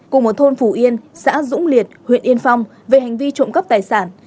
cùng một thôn phủ yên xã dũng liệt huyện yên phong về hành vi trộm cấp tài sản